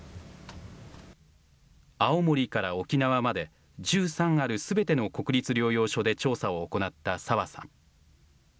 青森から沖縄まで、１３あるすべての国立療養所で調査を行った沢さん。